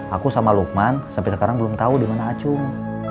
aku sama lukman sampai sekarang belum tahu dimana acung